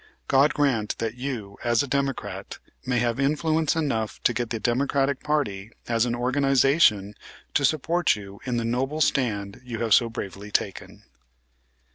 God grant that you, as a Democrat, may have influence enough to get the Democratic party as an organization to support you in the noble stand you have so bravely taken."